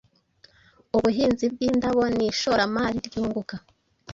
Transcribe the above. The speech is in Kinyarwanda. Ubuhinzi bw’indabo ni ishoramari ryunguka